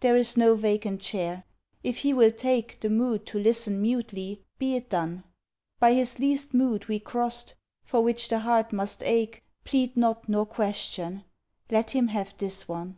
There is no vacant chair. If he will take The mood to listen mutely, be it done. By his least mood we crossed, for which the heart must ache, Plead not nor question! Let him have this one.